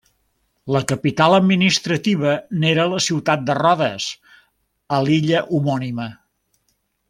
La capital administrativa n'era la ciutat de Rodes, a l'illa homònima.